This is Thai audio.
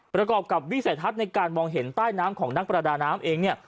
ประกอบกับวิสัยทัศน์ในการมองเห็นใต้น้ำของนักประดาน้ำเองเนี่ย